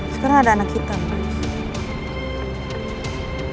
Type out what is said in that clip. sekarang ada anak kita pak